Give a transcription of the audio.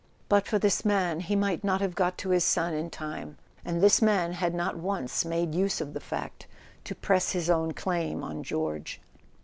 But for this man he might not have got to his son in time; and this man had not once made use of the fact to press his own claim on George.